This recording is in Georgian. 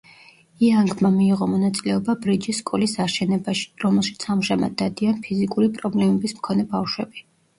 იანგმა მიიღო მონაწილეობა ბრიჯის სკოლის აშენებაში, რომელშიც ამჟამად დადიან ფიზიკური პრობლემების მქონე ბავშვები.